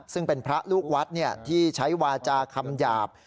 ซึ่งเป็นพระลูกวัดที่ใช้วาจาคำหยาบ